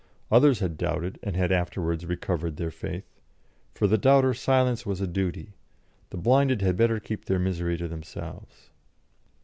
Others had doubted and had afterwards recovered their faith; for the doubter silence was a duty; the blinded had better keep their misery to themselves.